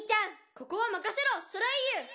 「ここはまかせろソレイユ」